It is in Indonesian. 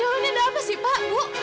ya allah ini ada apa sih pak bu